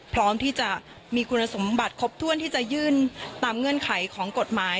พร้อมที่จะมีคุณสมบัติครบถ้วนที่จะยื่นตามเงื่อนไขของกฎหมาย